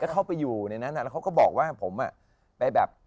เข้าไปอยู่ในนั้นแล้วเขาก็บอกว่าผมไปแบบ